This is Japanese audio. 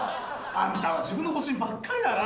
あなたは自分の保身ばっかりだな！